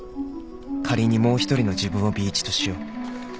仮にもう一人の自分を Ｂ 一としよう